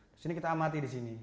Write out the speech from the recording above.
terus ini kita amati di sini